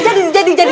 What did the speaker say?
jadi jadi jadi